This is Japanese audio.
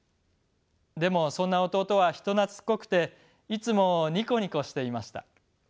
でもそんな弟は人懐っこくていつもニコニコしていました。